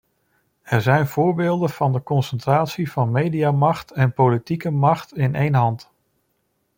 Er zijn voorbeelden van de concentratie van mediamacht en politieke macht in één hand.